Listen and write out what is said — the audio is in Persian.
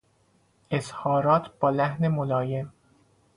اظهارات با لحن ملایم